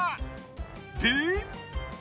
で。